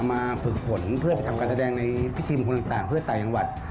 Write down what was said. เอามาฝึกผลเพื่อทำการแสดงในทีมคนต่างเพื่อต่ายังหวัด